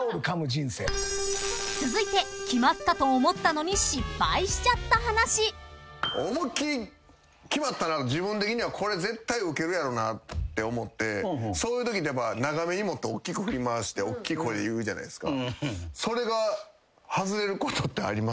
［続いて決まったと思ったのに失敗しちゃった話］思いっきり決まったな。って思ってそういうときって長めに持っておっきく振り回しておっきい声で言うじゃないっすか。